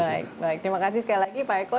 baik baik terima kasih sekali lagi pak eko